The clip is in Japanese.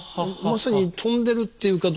まさに飛んでるっていうか。